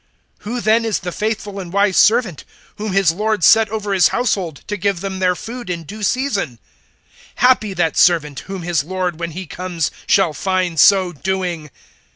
(45)Who then is the faithful and wise servant, whom his lord set over his household, to give them their food in due season? (46)Happy that servant, whom his lord when he comes shall find so doing!